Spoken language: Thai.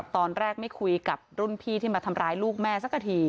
ตอนแรกไม่คุยกับรุ่นพี่ที่มาทำร้ายลูกแม่สักที